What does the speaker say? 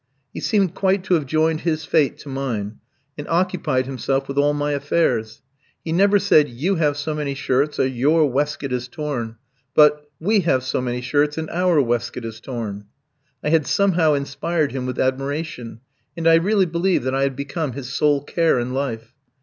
He seemed quite to have joined his fate to mine, and occupied himself with all my affairs. He never said: "You have so many shirts, or your waistcoat is torn;" but, "We have so many shirts, and our waistcoat is torn." I had somehow inspired him with admiration, and I really believe that I had become his sole care in life.